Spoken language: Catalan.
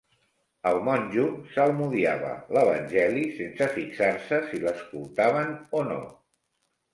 El monjo salmodiava l'evangeli sense fixar-se si l'escoltaven o no.